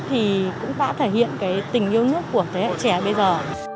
thì cũng đã thể hiện cái tình yêu nước của thế hệ trẻ bây giờ